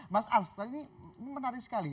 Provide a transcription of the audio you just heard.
mas ars ini menarik sekali